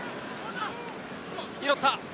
拾った。